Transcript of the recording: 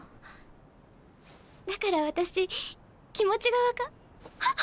だから私気持ちが分かあっ！